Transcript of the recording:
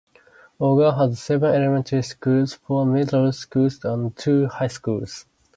Oga has seven elementary schools, four middle schools and two high schools.